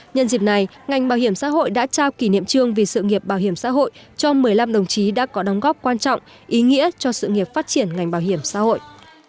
nhân dịp này ngành bảo hiểm xã hội đã trao kỷ niệm trương vì sự nghiệp bảo hiểm xã hội cho một mươi năm đồng chí đã có đóng góp quan trọng ý nghĩa cho sự nghiệp phát triển ngành bảo hiểm xã hội